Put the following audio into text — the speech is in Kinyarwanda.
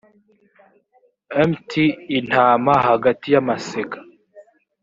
mt intama hagati y amasega